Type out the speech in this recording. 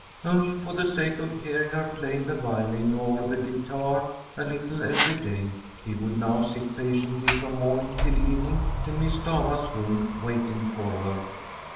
Only for the sake of hearing her play the violin or the guitar a little every day he would now sit patiently from morning till evening in Miss Stafva's room waiting for her.